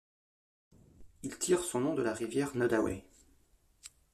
Il tire son nom de la rivière Nodaway.